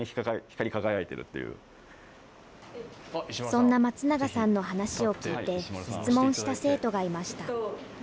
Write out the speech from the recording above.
そんな松永さんの話を聞いて、質問した生徒がいました。